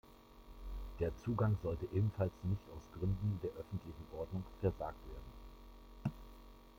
Der Zugang sollte ebenfalls nicht aus Gründen der öffentlichen Ordnung versagt werden.